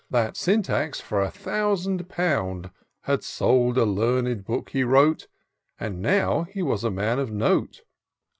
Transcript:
That Syntax, for a thousand pound. Had sold a learned book he wrote ; That now he was a man of note.